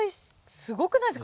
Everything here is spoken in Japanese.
すごくないですか？